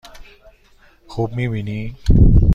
خوب می بینی؟